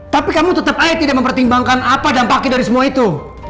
tapi kamu tetap aja tidak mempertimbangkan apa dampaknya dari semua itu